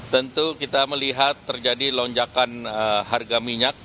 tentu kita melihat terjadi lonjakan harga minyak